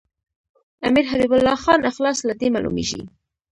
امیر حبیب الله خان اخلاص له دې معلومیږي.